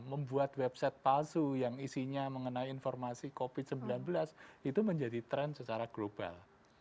membuat website palsu yang isinya mengenai informasi covid sembilan belas itu menjadi tren secara global